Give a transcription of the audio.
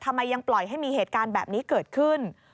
ทำไมยังปล่อยให้มีเหตุการณ์แบบนี้เกิดขึ้น